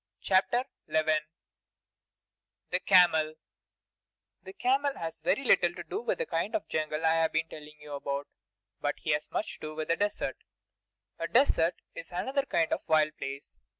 CHAPTER XI The Camel The camel has very little to do with the kind of jungle I have been telling you about; but he has much to do with the desert. A desert is another kind of wild place.